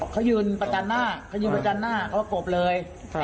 เขายืนประจันหน้าเขากบเลย